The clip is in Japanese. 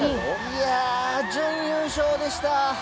いや準優勝でした。